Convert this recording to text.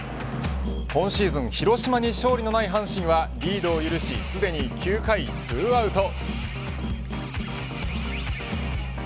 今シーズン広島に勝利のない阪神はリードを許しすでに９回２アウト。